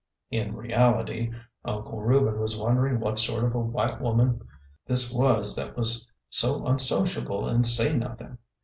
In reality, Uncle Reuben was wondering what sort of a white 'oman " this was that was so unsociable and say nothing.